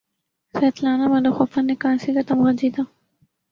Svetlana مالاخوفا نے کانسی کا تمغہ جیتا